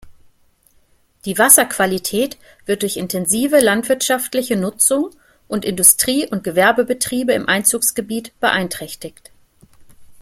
Die Wasserqualität wird durch intensive landwirtschaftliche Nutzung und Industrie- und Gewerbebetriebe im Einzugsgebiet beeinträchtigt.